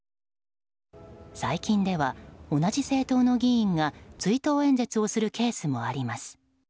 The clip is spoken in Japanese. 最近では、同じ政党の議員が追悼演説をするケースもあります。